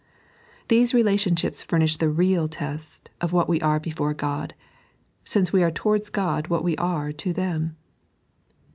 These relationships furnish the real test of what we are before God; since we are towards God what we are to them.